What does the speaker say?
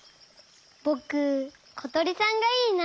ぼくことりさんがいいな。